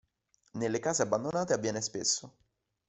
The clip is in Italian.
Nelle case abbandonate avviene spesso.